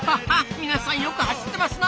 皆さんよく走ってますな。